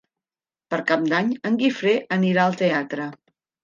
Per Cap d'Any en Guifré anirà al teatre.